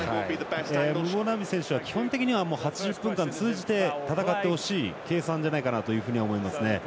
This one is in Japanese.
ムボナンビ選手は基本的に８０分間通じて戦ってほしい計算かなと思いますね。